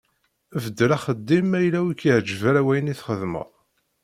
Beddel axeddim ma yella ur ak-yeɛǧib ara wayen i txeddmeḍ.